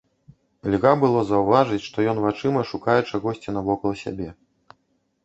Льга было заўважыць, што ён вачыма шукае чагосьці навокал сябе.